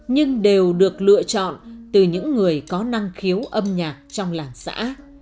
nhưng đều được lựa chọn từ những người có năng khiếu âm nhạc trong làng xã